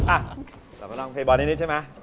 อะเรามาลองเพลย์บอลนิดใช่มะ